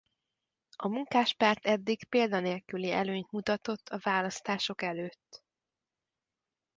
A Munkáspárt eddig példa nélküli előnyt mutatott a választások előtt.